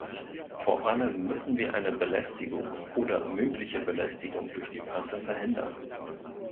Vor allem müssen wir eine Belästigung oder mögliche Belästigung durch die Presse verhindern.